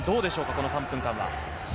この３分間。